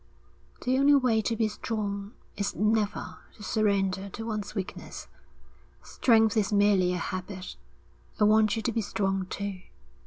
'The only way to be strong is never to surrender to one's weakness. Strength is merely a habit. I want you to be strong, too.